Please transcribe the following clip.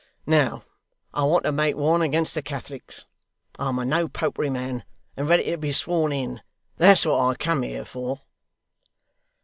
Now I want to make one against the Catholics, I'm a No Popery man, and ready to be sworn in. That's what I've come here for.